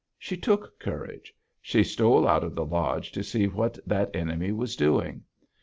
She took courage: she stole out of the lodge to see what that enemy was doing.